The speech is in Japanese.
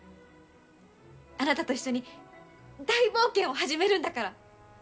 あなたと一緒に大冒険を始めるんだから！